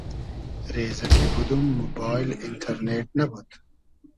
رېزۂ کی بودوم موبایل اینݖئرنېݖ نئبود